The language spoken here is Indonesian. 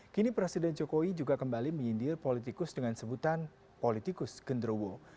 kini presiden jokowi juga kembali menyindir politikus dengan sebutan politikus gendrowo